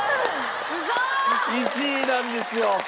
１位なんですよ。